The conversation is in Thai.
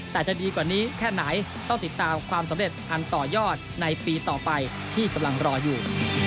แต่จะดีกว่านี้แค่ไหนต้องติดตามความสำเร็จอันต่อยอดในปีต่อไปที่กำลังรออยู่